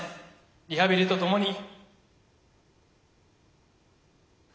リハビリとともに。